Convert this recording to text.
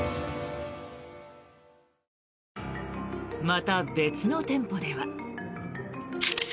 また、別の店舗では。